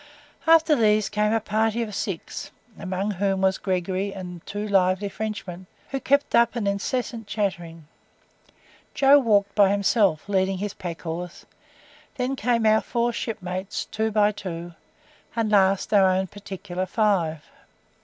After these came a party of six, among whom was Gregory and two lively Frenchmen, who kept up an incessant chattering. Joe walked by himself, leading his pack horse, then came our four shipmates, two by two, and last, our own particular five.